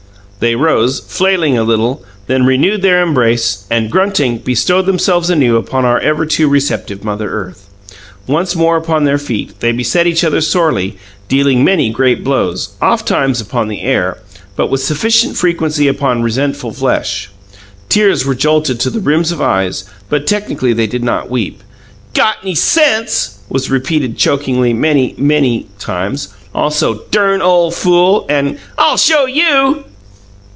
They rose, flailing a while, then renewed their embrace, and, grunting, bestowed themselves anew upon our ever too receptive Mother Earth. Once more upon their feet, they beset each other sorely, dealing many great blows, ofttimes upon the air, but with sufficient frequency upon resentful flesh. Tears were jolted to the rims of eyes, but technically they did not weep. "Got'ny sense," was repeated chokingly many, many times; also, "Dern ole fool!" and, "I'll SHOW you!"